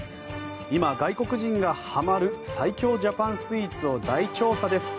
今、外国人がハマる最強ジャパンスイーツを大調査です。